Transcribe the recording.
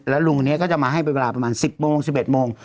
ลุงคนนี้ก็จะมาให้เป็นเวลาประมาณ๑๐โมง๑๑โมง